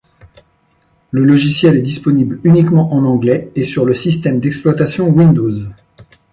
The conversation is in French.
Le logiciel est disponible uniquement en anglais et sur le système d'exploitation Windows.